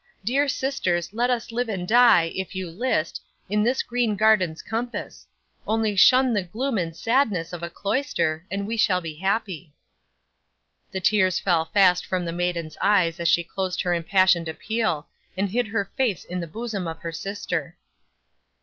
Dear sisters, let us live and die, if you list, in this green garden's compass; only shun the gloom and sadness of a cloister, and we shall be happy." 'The tears fell fast from the maiden's eyes as she closed her impassioned appeal, and hid her face in the bosom of her sister.